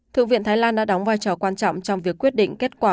thượng viện thái lan đã đóng vai trò quan trọng trong việc quyết định kết quả